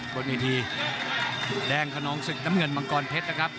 บนเวทีแดงขนองศึกน้ำเงินมังกรเพชรนะครับ